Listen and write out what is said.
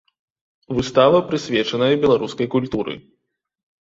Выстава прысвечаная беларускай культуры.